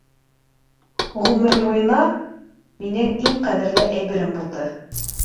Ғүмер буйына минең иң ҡәҙерле әйберем булды.